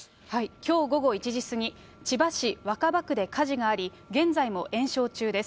きょう午後１時過ぎ、千葉市若葉区で火事があり、現在も延焼中です。